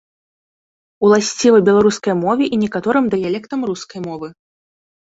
Уласціва беларускай мове і некаторым дыялектам рускай мовы.